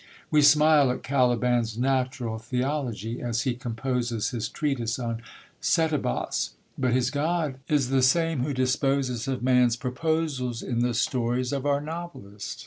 We smile at Caliban's natural theology, as he composes his treatise on Setebos; but his God is the same who disposes of man's proposals in the stories of our novelist.